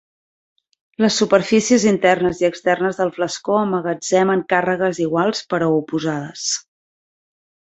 Les superfícies internes i externes del flascó emmagatzemen càrregues iguals però oposades.